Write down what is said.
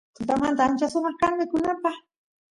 tutamanta ancha sumaq kan mikunapaq